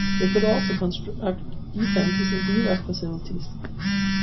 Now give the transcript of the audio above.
They could also construct defenses and bivouac facilities.